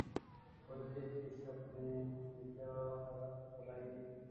کوئی کہے کہ‘ شبِ مہ میں کیا برائی ہے